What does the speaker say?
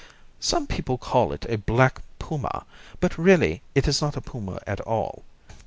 "Some people call it a black puma, but really it is not a puma at all.